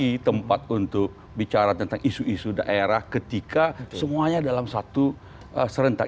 ini tempat untuk bicara tentang isu isu daerah ketika semuanya dalam satu serentak